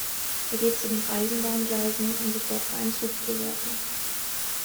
Er geht zu den Eisenbahngleisen, um sich dort vor einen Zug zu werfen.